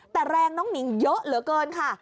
แต่แรงน้องหนิงเยอะเหลือเกินค่ะ